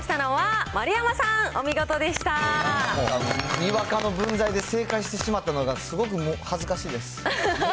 にわかの分際で正解してしまったのが、すごく恥ずかしいです。